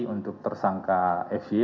untuk tersangka fye